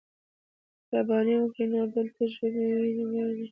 مهرباني وکړئ دلته د نورو ژبو وييونه مه لیکئ مننه